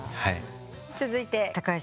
続いて高橋さん。